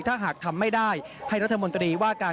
ถ้าหากทำไม่ได้ให้รัฐมนตรีว่าการ